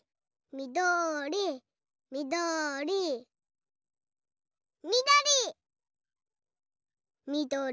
みどりみどりみどりみどり。